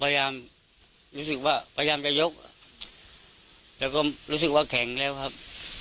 พยายามรู้สึกว่าพยายามจะยกแล้วก็รู้สึกว่าแข็งแล้วครับ